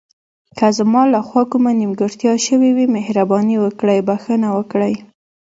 که زما له خوا کومه نیمګړتیا شوې وي، مهرباني وکړئ بښنه وکړئ.